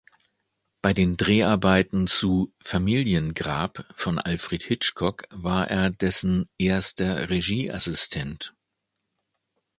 Bei den Dreharbeiten zu "Familiengrab" von Alfred Hitchcock war er dessen "Erster Regieassistent".